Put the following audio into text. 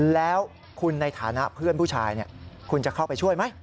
แล้วคุณในฐานะเพื่อนผู้ชายคุณจะเข้าไปช่วยไหม